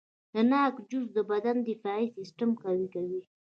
د ناک جوس د بدن دفاعي سیستم قوي کوي.